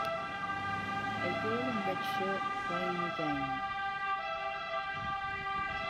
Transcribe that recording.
a girl in red shirt playing a game